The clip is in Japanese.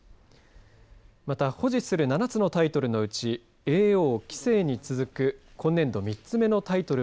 また、保持する７つのタイトルのうち叡王、棋聖に続く今年度３つ目のタイトル